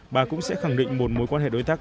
bà cũng sẽ khẳng định một mối quan hệ đối tác